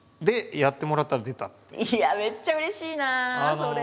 いやめっちゃうれしいなそれ。